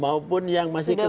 maupun yang masih kegeeran